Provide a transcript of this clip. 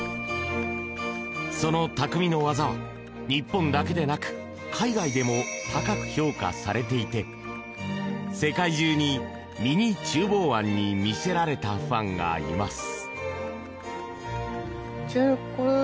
その匠の技は日本だけでなく海外でも高く評価されていて世界中にミニ厨房庵に魅せられたファンがいます。